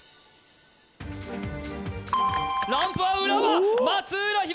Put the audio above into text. ランプは浦和松浦央